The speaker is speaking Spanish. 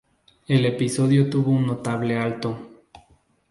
El episodio obtuvo un notable alto.